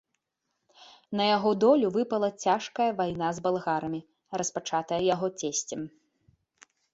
На яго долю выпала цяжкая вайна з балгарамі, распачатая яго цесцем.